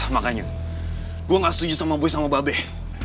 makanya gue gak setuju sama boy sama babeh